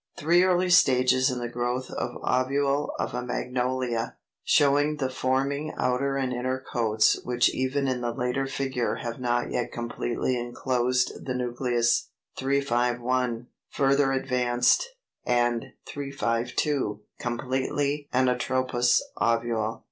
Three early stages in the growth of ovule of a Magnolia, showing the forming outer and inner coats which even in the later figure have not yet completely enclosed the nucleus; 351, further advanced, and 352, completely anatropous ovule.